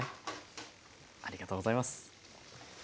ありがとうございます。